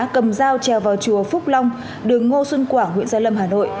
cầm dao trèo vào chùa phúc long đường ngô xuân quảng huyện gia lâm hà nội